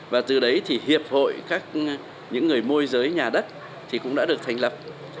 và từ đấy thì hiệp hội các người môi giới nhà đất thì cũng đã được thành lập